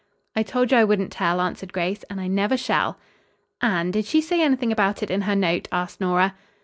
"I told you I wouldn't tell," answered Grace, "and I never shall." "Anne, did she say anything about it in her note?" asked Nora.